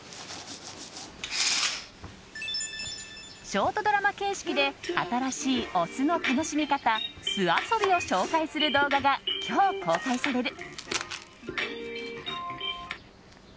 ショートドラマ形式で新しいお酢の楽しみ方酢あそびを紹介する動画が今日公開される。